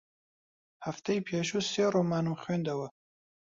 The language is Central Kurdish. هەفتەی پێشوو سێ ڕۆمانم خوێندەوە.